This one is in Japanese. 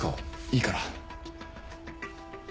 いいから。